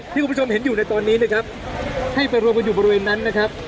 คุณผู้ชมเห็นอยู่ในตอนนี้นะครับให้ไปรวมกันอยู่บริเวณนั้นนะครับ